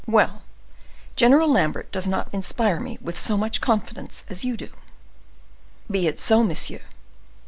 Well, General Lambert does not inspire with me so much confidence as you do." "Be it so, monsieur.